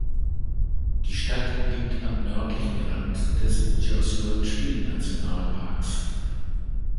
Die Stadt liegt am nördlichen Rand des Joshua-Tree-Nationalparks.